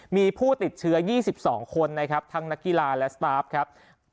มีผู้ติดเชื้อ๒๒คนนะครับทั้งนักกีฬาและสตาฟครับ